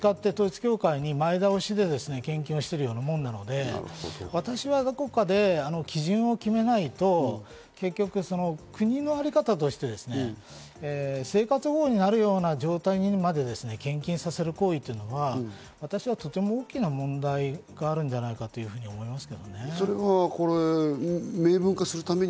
そうすると我々の税金を使って統一教会に前倒しで献金をしているようなものなので私はどこかで基準を決めないと結局、国のあり方として、生活保護になるような状態にまで献金させる行為っていうのは、私はとても大きな問題があるんじゃないかと思います。